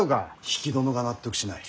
比企殿が納得しない。